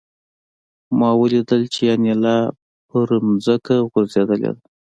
ما ولیدل چې انیلا په ځمکه غورځېدلې ده